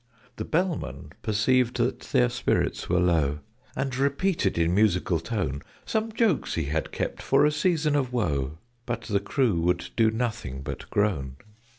The Bellman perceived that their spirits were low, And repeated in musical tone Some jokes he had kept for a season of woe But the crew would do nothing but groan.